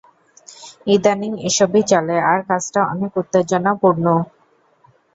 ইদানীং এসবই চলে, - আর কাজটা অনেক উত্তেজনাপূর্ণ।